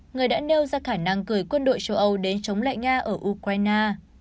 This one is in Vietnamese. người đã nêu ra khả năng cử quân đội châu âu đến chống lại nga ở ukraine